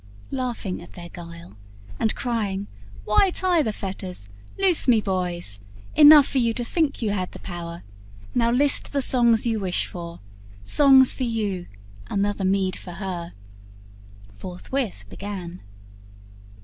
Laughing at their guile, And crying, "Why tie the fetters? loose me, boys; Enough for you to think you had the power; Now list the songs you wish for songs for you, Another meed for her" forthwith began.